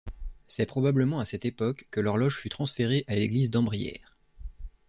C'est probablement à cette époque que l'horloge fut transférée à l'église d'Ambrières.